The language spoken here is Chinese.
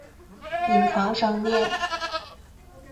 隐藏商店